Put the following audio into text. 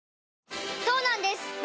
そうなんです